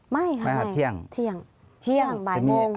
ไม่ทำไมที่เที่ยงที่เที่ยงที่เที่ยงบ่ายโมง